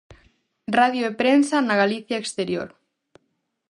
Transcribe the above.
Radio e Prensa na Galicia Exterior.